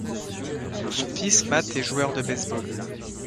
Son fils Matt est joueur de baseball.